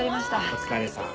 お疲れさん。